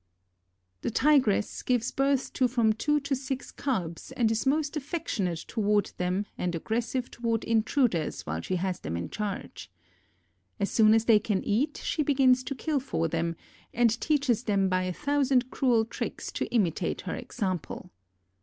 The Tigress gives birth to from two to six cubs and is most affectionate toward them and aggressive toward intruders while she has them in charge. As soon as they can eat she begins to kill for them, and teaches them by a thousand cruel tricks to imitate her example.